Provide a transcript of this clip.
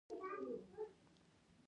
دوی دواړه حجرې دي خو په جوړښت کې توپیر لري